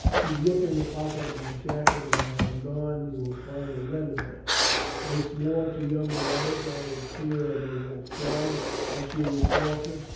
You look in the pocket of my jacket when I am gone, and you will find a letter there. I swore to young Wyatt that I would clear him of that charge of shooting Faulkner.